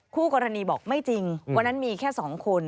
คู่กรณีบอกไม่จริงวันนั้นมีแค่๒คน